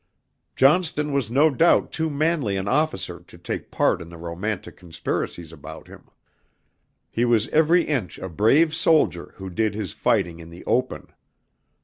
Johnston was no doubt too manly an officer to take part in the romantic conspiracies about him. He was every inch a brave soldier who did his fighting in the open.